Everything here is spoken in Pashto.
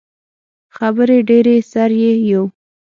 خبرې ډیرې، سر یی یو